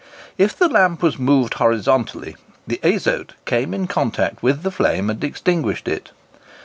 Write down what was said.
If the lamp was moved horizontally, the azote came in contact with the flame and extinguished it.